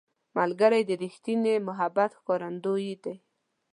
ملګری د ریښتیني محبت ښکارندوی دی